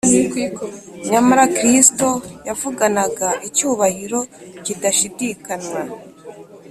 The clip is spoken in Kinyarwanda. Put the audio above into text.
Nyamara Kristo yavuganaga icyubahiro kidashidikanywa